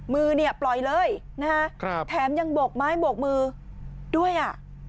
มือเนี่ยปล่อยเลยนะฮะแถมยังโบกไม้โบกมือด้วยอ่ะ